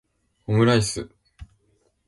オムライス